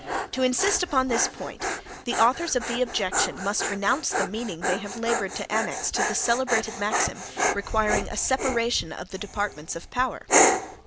To insist upon this point, the authors of the objection must renounce the meaning they have labored to annex to the celebrated maxim, requiring a separation of the departments of power.